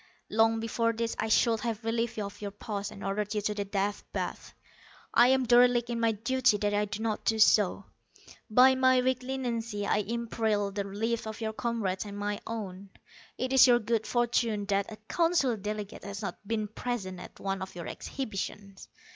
Long before this I should have relieved you of your post, and ordered you to the Death Bath. I am derelict in my duty that I do not do so. By my weak leniency I imperil the lives of your comrades, and my own. It is your good fortune that a Council delegate has not been present at one of your exhibitions.